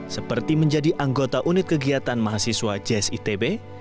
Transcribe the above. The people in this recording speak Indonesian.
seperti menjadi anggota unit kegiatan mahasiswa js itb